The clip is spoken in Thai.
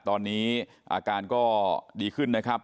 ตอนนี้อาการก็ดีขึ้นนะครับ